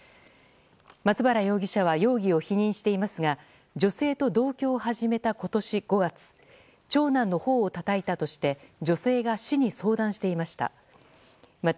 松原容疑者は容疑を否認していますが女性と同居を始めた今年５月長男の頬をたたいたとして女性が市に相談していました。